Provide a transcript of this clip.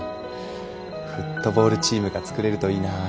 フットボールチームが作れるといいな。